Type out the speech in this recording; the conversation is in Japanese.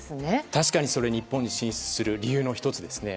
確かにそれ日本に進出する理由の１つですね。